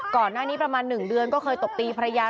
ก่อนหน้านี้ประมาณ๑เดือนก็เคยตบตีภรรยา